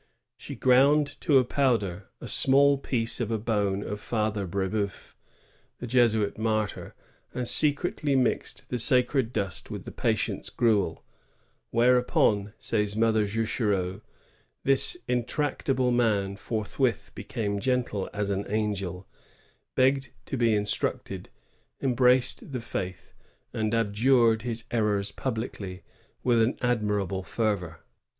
She ground to powder a small piece of a bone of Father Br^beuf, the Jesuit martyr, and secretly mixed the sacred dust with the patient's gruel; whereupon, says Mother Juchereau, "this intractable man forthwith became gentle as an angel, begged to be instructed, embraced the faith, and ^ TaUm au Minhtre, 4 Oct., 166& 1065.] TRACT'S DEVOTION. 241 abjured his errors publicly with an admirable fervor."